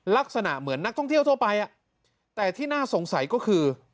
ลักษณะเหมือนนักท่องเที่ยวทั่วไปแต่ที่น่าสงสัยก็คือ